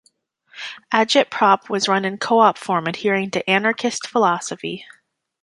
Agit-Prop was run in co-op form adhering to anarchist philosophy.